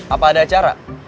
apa ada acara